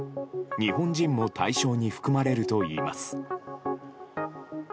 日本人も対象に含まれるといいます。